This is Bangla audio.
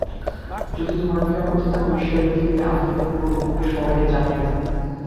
যদি তোমরা নিরাপদ থাকো ঈশ্বরের দিব্বি, আমাদের পুরো গ্রুপের সবাইকে জানিয়ে দাও।